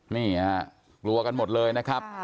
นี่ฮะกลัวกันหมดเลยนะครับ